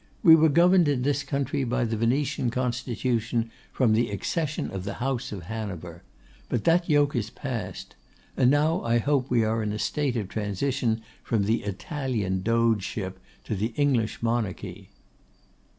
'We were governed in this country by the Venetian Constitution from the accession of the House of Hanover. But that yoke is past. And now I hope we are in a state of transition from the Italian Dogeship to the English Monarchy.